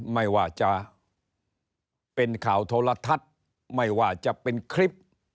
ไม่ว่าจะเป็นข่าวโทรทัศน์ไม่ว่าจะเป็นคลิป